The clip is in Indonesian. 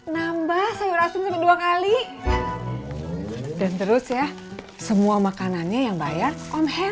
nambah sayur asin sampai dua kali dan terus ya semua makanannya yang bayar om head